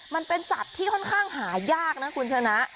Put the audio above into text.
มันเป็นสัตว์ที่ค่อนข้างหายากนะคุณชนะ